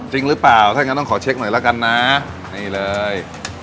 จริงหรือเปล่าถ้าอย่างนั้นต้องขอเช็คหน่อยแล้วกันนะนี่เลย